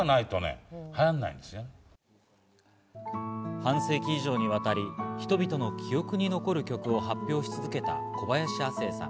半世紀以上にわたり人々の記憶に残る曲を発表し続けた小林亜星さん。